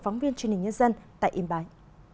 phóng viên truyền hình nhân dân tại yên bái